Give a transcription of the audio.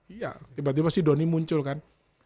iya tiba tiba si doni muncul kan